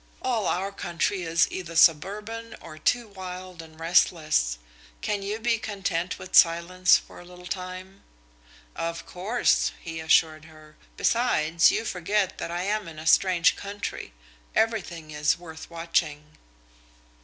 All our country is either suburban or too wild and restless. Can you be content with silence for a little time?" "Of course," he assured her. "Besides, you forget that I am in a strange country. Everything is worth watching."